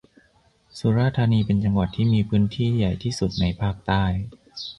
สุราษฏร์ธานีเป็นจังหวัดที่มีพื้นที่ใหญ่ที่สุดในภาคใต้